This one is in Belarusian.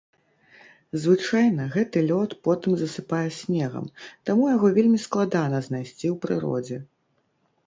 Звычайна гэты лёд потым засыпае снегам, таму яго вельмі складана знайсці ў прыродзе.